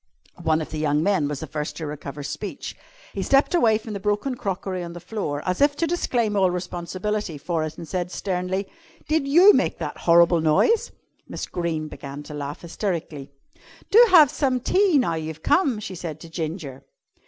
One of the young men was the first to recover speech. He stepped away from the broken crockery on the floor as if to disclaim all responsibility for it and said sternly: "Did you make that horrible noise?" Miss Greene began to laugh hysterically. "Do have some tea now you've come," she said to Ginger.